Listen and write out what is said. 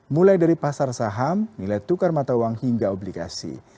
mulai dari pasar saham nilai tukar mata uang hingga obligasi